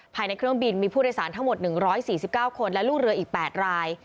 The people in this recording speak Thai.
ภายในเครื่องบินมีผู้โดยสารทั้งหมด๑๔๙คนและลูกเรืออีก๘ราย